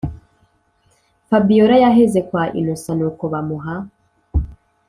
fabiora yaheze kwa innocent nuko bamuha